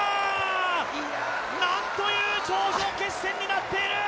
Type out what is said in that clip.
なんという頂上決戦になっている！